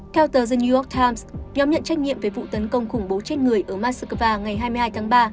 theo tờ the new york times nhóm nhận trách nhiệm về vụ tấn công khủng bố chết người ở moskva ngày hai mươi hai tháng ba